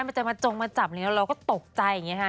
มันจะมาจงมาจมนี่แล้วเราก็ตกใจอย่างนี้ครับ